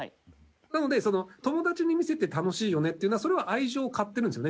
なので友達に見せて楽しいよねっていうのはそれは愛情を買ってるんですよね